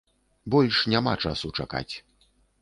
Больш няма часу чакаць.